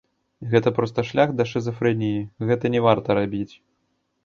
Гэта проста шлях да шызафрэніі, гэта не варта рабіць.